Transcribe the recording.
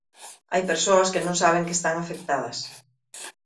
Hai persoas que non saben que están afectadas.